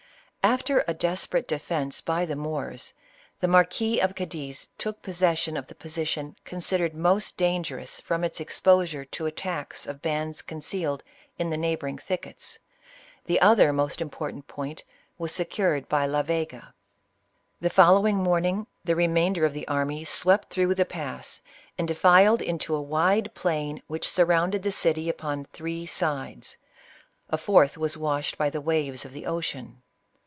After a desperate defence by the Moors, the Marquis of Cadiz took possession of the position considered most dangerous from its exposure to attacks of bands concealed in the neighboring thickets ; the other most important point was secured by La Vega. The following morning, the remainder of the army swept through the pass and defiled into a wide plain which surrounded the city upon three sides ; the fourth was washed by the waves of the ocean.